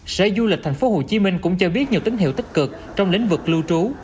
xe du lịch thành phố hồ chí minh cũng cho biết nhiều tín hiệu tích cực trong lĩnh vực lưu trí